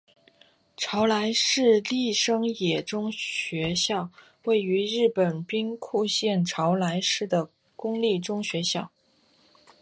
朝来市立生野中学校位于日本兵库县朝来市的公立中学校。